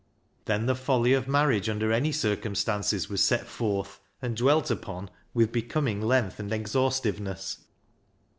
Then the folly of marriage under any circum stances was set forth, and dwelt upon with becoming length and exhaustiveness.